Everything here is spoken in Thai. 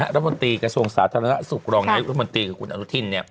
รัฐบนตรีกระทรวงศาสตร์ธรรมนาศุกรรองรายรัฐบนตรีกับคุณอนุทิน